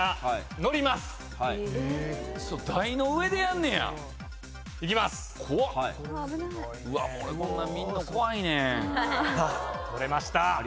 乗れました。